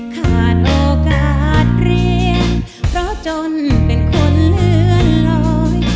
ขาดโอกาสเรียนเพราะจนเป็นคนเลื่อนลอย